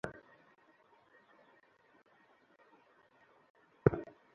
রাজার আইনে তার সহোদরকে সে আটক করতে পারত না, আল্লাহ ইচ্ছা না করলে।